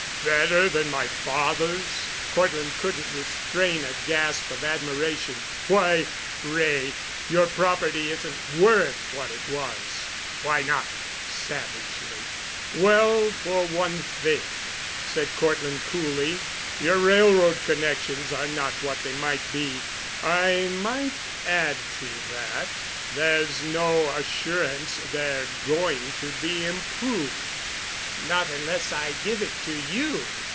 "Better than my father's?" Cortland couldn't restrain a gasp of admiration. "Why, Wray, your property isn't worth what it was." "Why not?" savagely. "Well, for one thing," said Cortland coolly, "your railroad connections are not what they might be. I might add to that, there's no assurance they're going to be improved." "Not unless I give it to you.